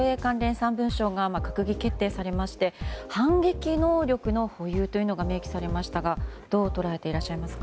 ３文書が閣議決定されまして反撃能力の保有というのが明記されましたがどう捉えていらっしゃいますか？